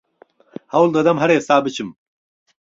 هەوڵ دەدەم هەر ئێستا بچم